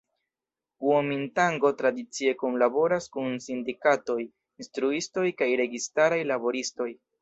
Kuomintango tradicie kunlaboras kun sindikatoj, instruistoj kaj registaraj laboristoj.